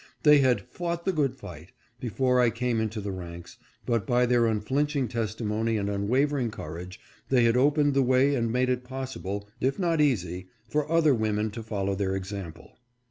They had " fought the good fight " before I came into the ranks, but by their unflinching testimony and unwavering courage, they had opened the way and made it possible, if not easy, for other women to follow their example.